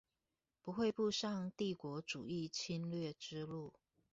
不會步上帝國主義侵略之路